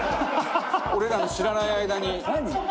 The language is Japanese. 「俺らの知らない間に」